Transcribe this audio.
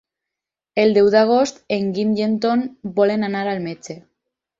El deu d'agost en Guim i en Tom volen anar al metge.